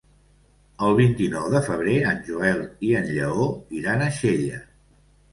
El vint-i-nou de febrer en Joel i en Lleó iran a Xella.